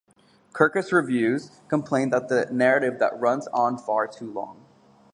Kirkus Reviews complained that the "narrative that runs on far too long".